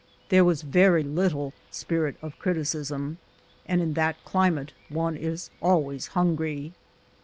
There was very little spirit of criticism, and in that climate one is always hungry.